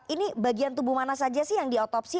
ini bagian tubuh mana saja sih yang diotopsi